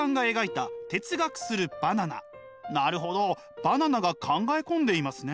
なるほどバナナが考え込んでいますね。